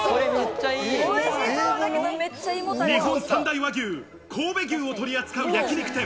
日本三大和牛・神戸牛を取り扱う焼肉店